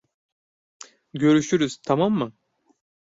Görüşürüz, tamam mı?